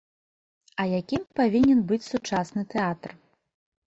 А якім павінен быць сучасны тэатр?